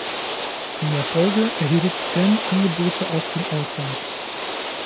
In der Folge erhielt Elm Angebote aus dem Ausland.